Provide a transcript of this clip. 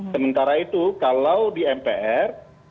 sementara itu kalau di mpr